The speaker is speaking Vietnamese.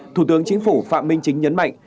thủ tướng chính phủ phạm minh chính nhấn mạnh